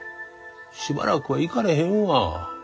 しばらくは行かれへんわ。